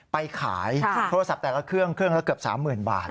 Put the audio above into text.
ไปขายโทรศัพท์แต่ละเครื่องเครื่องละเกือบ๓๐๐๐บาท